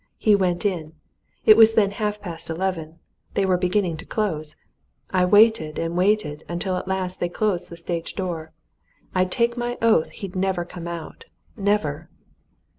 He went in. It was then half past eleven; they were beginning to close. I waited and waited until at last they closed the stage door. I'll take my oath he'd never come out! never!"